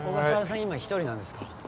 今１人なんですか？